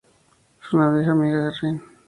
Es una vieja amiga de Rin.